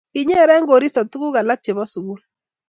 kinyere koristo tuguk alak che bo sukul